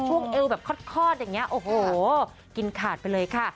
เอวแบบคลอดอย่างนี้โอ้โหกินขาดไปเลยค่ะ